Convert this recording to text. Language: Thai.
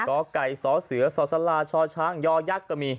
เกาะไก่สอเสือสอสาราช่อช้างย่อยักษ์ก็มี